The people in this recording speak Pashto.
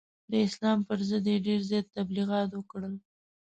د اسلام پر ضد یې ډېر زیات تبلغیات وکړل.